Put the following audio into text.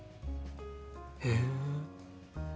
へえ！